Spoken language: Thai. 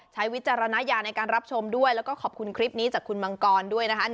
วิจารณญาณในการรับชมด้วยแล้วก็ขอบคุณคลิปนี้จากคุณมังกรด้วยนะคะ